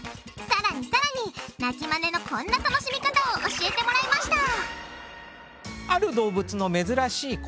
さらにさらに鳴きマネのこんな楽しみ方を教えてもらいました！